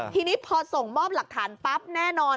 ทีนี้พอส่งมอบหลักฐานปั๊บแน่นอน